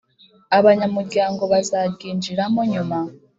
Abanyamuryango bazaryinjira mo nyuma